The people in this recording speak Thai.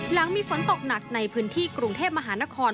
หลังมีฝนตกหนักในพื้นที่กรุงเทพมหานคร